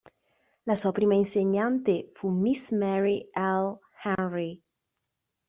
La sua prima insegnante fu Miss Mary L. Henry.